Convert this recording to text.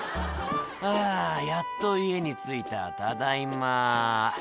「あぁやっと家に着いたただいま」